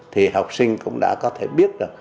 thì học sinh cũng đã có thể biết